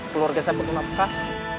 keluarga saya betul betul apakah